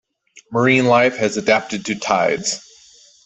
Marine life has adapted to tides.